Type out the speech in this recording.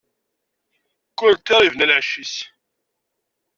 Kull ṭṭir ibna lεecc-is.